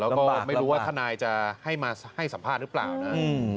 แล้วก็ไม่รู้ว่าทนายจะให้มาให้สัมภาษณ์หรือเปล่านะ